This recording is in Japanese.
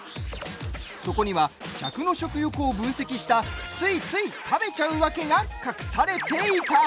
そこには、客の食欲を分析したついつい食べちゃうワケが隠されていた！